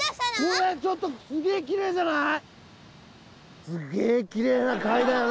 これちょっとすげえキレイじゃない？